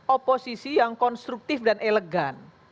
oposisi yang konstruktif dan elegan